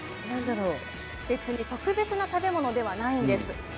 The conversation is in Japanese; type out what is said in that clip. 特別な食べ物ではないんです。